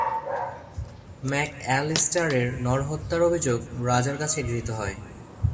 ম্যাকঅ্যালিস্টারের নরহত্যার অভিযোগ রাজার কাছে গৃহীত হয়।